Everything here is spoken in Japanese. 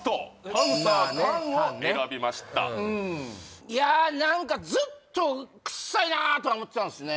パンサー菅を選びましたまあね菅ねいや何かずっとクサいなとは思ってたんですね